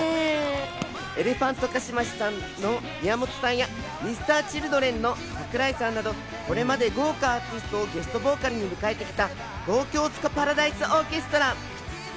エレファントカシマシさんの宮本さんや、Ｍｒ．Ｃｈｉｌｄｒｅｎの桜井さんなど、これまで豪華アーティストをゲストボーカルに迎えてきた東京スカパラダイスオーケストラ。